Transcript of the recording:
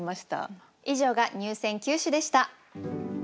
以上が入選九首でした。